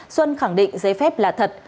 xuân khẳng định giấy phép là thật